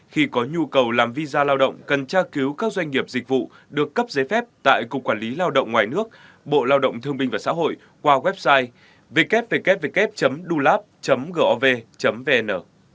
khi có nhu cầu làm visa lao động cần tra cứu các doanh nghiệp dịch vụ được cấp giấy phép tại cục quản lý lao động ngoài nước bộ lao động thương binh và xã hội qua website ww dulab gov vn